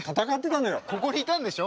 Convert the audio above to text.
ここにいたんでしょ？